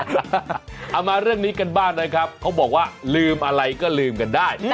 เอามาเรื่องนี้กันบ้างนะครับเขาบอกว่าลืมอะไรก็ลืมกันได้